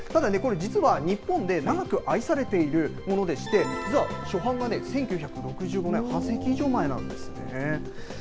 ただね、実はこれ、日本で長く愛されているものでして、実は初版がね、１９６５年、半世紀以上前なんです。